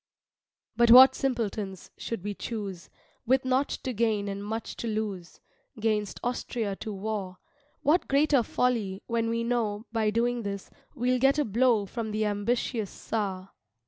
But what simpletons, should we choose, With nought to gain and much to loose, 'Gainst Austria to war; What greater folly, when we know By doing this, we'll get a blow From the ambitious Czar.